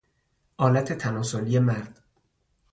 آلت تناسلی مرد